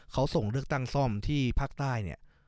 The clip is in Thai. เขาส่งเรื่องตั้งซ่อมที่ภาคใต้